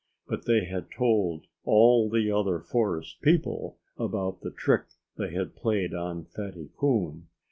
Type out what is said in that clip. But they had told all the other forest people about the trick they had played on Fatty Coon.